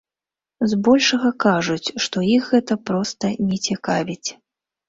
Збольшага кажуць, што іх гэта проста не цікавіць.